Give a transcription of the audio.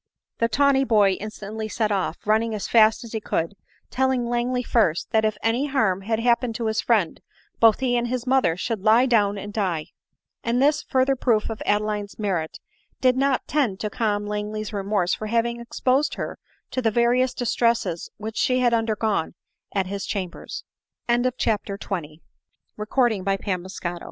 The tawny boy instantly set off, running as fast as he could, telling Langley first, that if any harm had happened to his friend, both he and his mother should lie down and die. And this further proof of Adeline's merit did not tend to calm Langley's remorse for having exposed her to the various distresses which she bad undergon